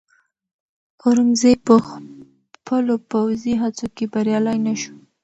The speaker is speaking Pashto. اورنګزېب په خپلو پوځي هڅو کې بریالی نه شو.